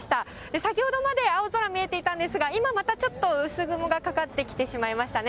先ほどまで青空見えていたんですが、今またちょっと薄雲がかかってきてしまいましたね。